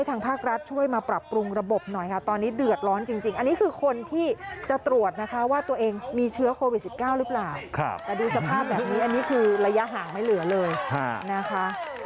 แต่ดูสภาพแบบนี้อันนี้คือระยะห่างไม่เหลือเลยนะคะ